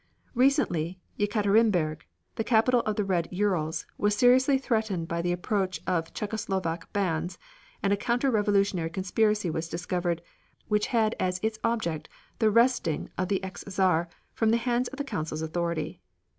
Recently Yekaterinberg, the Capital of the Red Urals, was seriously threatened by the approach of Czecho Slovak bands, and a counter revolutionary conspiracy was discovered, which had as its object the wresting of the ex Czar from the hands of the Council's authority.